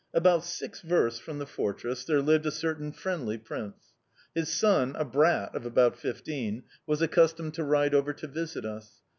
"About six versts from the fortress there lived a certain 'friendly' prince. His son, a brat of about fifteen, was accustomed to ride over to visit us.